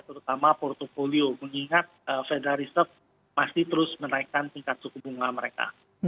terutama portfolio mengingat federal reserve masih terus menaikkan tingkat suku bunga mereka